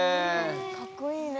かっこいいね！